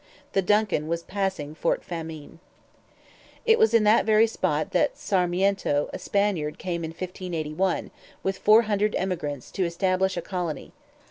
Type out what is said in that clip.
The DUNCAN was passing Fort Famine. It was in that very spot that Sarmiento, a Spaniard, came in 1581, with four hundred emigrants, to establish a colony.